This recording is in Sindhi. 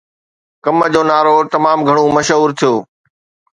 ڪم جو نعرو تمام گهڻو مشهور ٿيو